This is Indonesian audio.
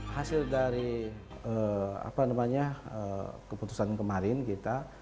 hasil dari apa namanya keputusan kemarin kita